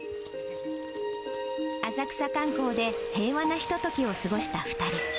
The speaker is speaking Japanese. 浅草観光で、平和なひとときを過ごした２人。